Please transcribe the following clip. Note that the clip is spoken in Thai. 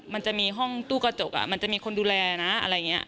มันจะมีห้องตู้กระจกมันจะมีคนดูแลนะอะไรอย่างนี้